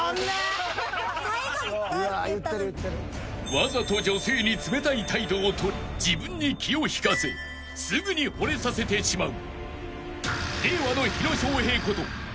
［わざと女性に冷たい態度を取り自分に気を引かせすぐにほれさせてしまう］